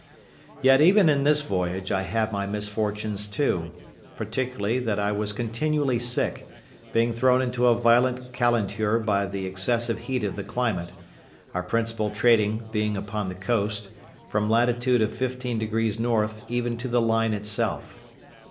Yet even in this voyage I had my misfortunes too; particularly, that I was continually sick, being thrown into a violent calenture by the excessive heat of the climate; our principal trading being upon the coast, from latitude of 15 degrees north even to the line itself.